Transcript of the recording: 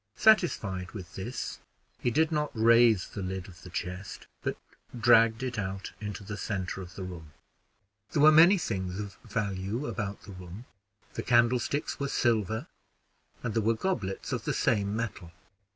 Satisfied with this, he did not raise the lid of the chest, but dragged it out into the center of the room. There were many things of value about the room; the candlesticks were silver, and there were goblets of the same metal.